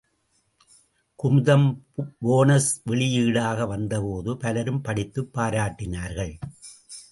Kumudam bonus வெளியீடாக வந்தபோது பலரும் படித்துப் பாராட்டினார்கள்.